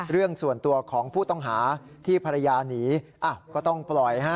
เรื่องส่วนตัวของผู้ต้องหาที่ภรรยาหนีก็ต้องปล่อยฮะ